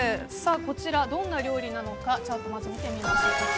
こちら、どんな料理なのかチャートを見てみましょう。